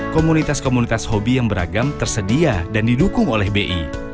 komunitas komunitas hobi yang beragam tersedia dan didukung oleh bi